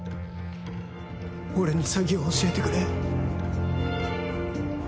俺に詐欺を教えてくれ